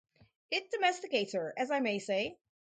It domesticates her, as I may say.